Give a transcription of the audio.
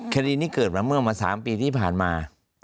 คดีนี้เกิดมาเมื่อมา๓ปีที่ผ่านมา